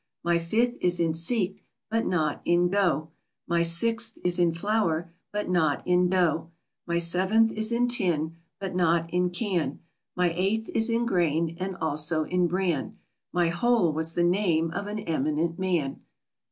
My fifth is in seek, but not in go. My sixth is in flour, but not in dough. My seventh is in tin, but not in can. My eighth is in grain, and also in bran. My whole was the name of an eminent man.